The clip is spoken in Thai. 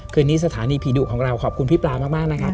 คืนนี้สถานีผีดุของเราขอบคุณพี่ปลามากนะครับ